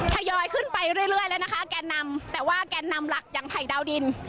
ทยอยขึ้นไปเรื่อยแล้วนะคะแกนนำแต่ว่าแกนนำหลักอย่างไผ่ดาวดิน